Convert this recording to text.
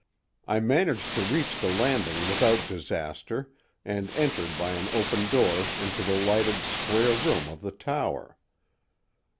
I managed to reach the landing without disaster and entered by an open door into the lighted square room of the tower.